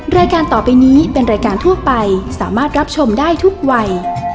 รายการต่อไปนี้เป็นรายการทั่วไปสามารถรับชมได้ทุกวัย